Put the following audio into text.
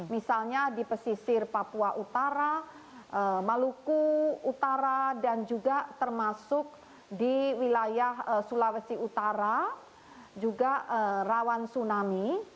misalnya di pesisir papua utara maluku utara dan juga termasuk di wilayah sulawesi utara juga rawan tsunami